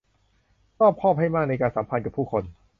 รอบคอบให้มากในการสัมพันธ์กับผู้คน